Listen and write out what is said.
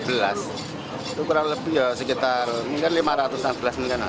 itu kurang lebih sekitar rp lima ratus enam belas